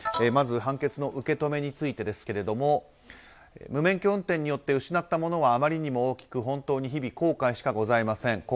まず判決の受け止めについてですけれども無免許運転によって失ったものはあまりにも大きく本当に日々後悔しかございません。